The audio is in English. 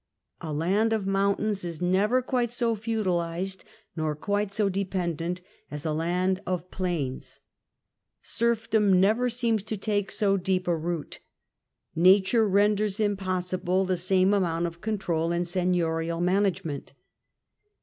A land of mountains is never quite so feudalised nor quite so dependent as a land of plains ; serfdom never seems to take so deep a root ; nature renders impossible the same amount of control and seignorial management.